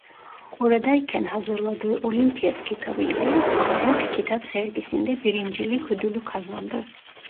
Oradayken hazırladığı Olimpiyat kitabı ile Hamburg Kitap Sergisi'nde birincilik ödülü kazandı.